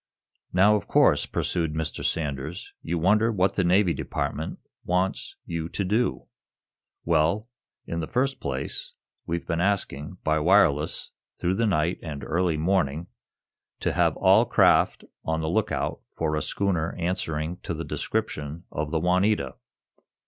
"Now, of course," pursued Mr. Sanders, "you wonder what the Navy Department wants you to do. Well, in the first place, we've been asking, by wireless, through the night and early morning, to have all craft on the lookout for a schooner answering to the description of the 'Juanita'."